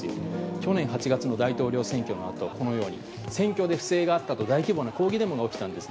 去年８月の大統領選挙のあと選挙で不正があったと大規模な抗議デモが起きたんです。